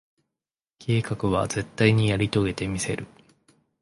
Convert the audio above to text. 計画は、絶対にやり遂げてみせる。